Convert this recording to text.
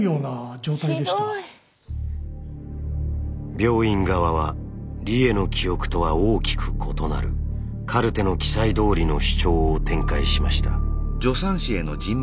病院側は理栄の記憶とは大きく異なるカルテの記載どおりの主張を展開しました。